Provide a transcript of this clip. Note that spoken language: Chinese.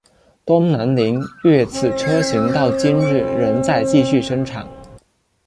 东南菱悦此车型到今日仍在继续生产。